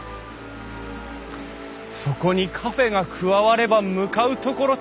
そこにカフェが加われば向かう所敵なし！